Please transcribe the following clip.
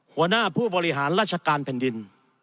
หัวหน้าผู้บริหารราชการแผ่นดิน